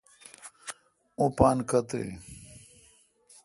اوں پان کتھ آین؟